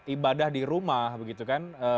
ibadah di rumah begitu kan